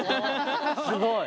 すごい！